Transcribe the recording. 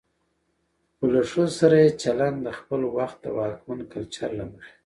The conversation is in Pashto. خو له ښځو سره يې چلن د خپل وخت د واکمن کلچر له مخې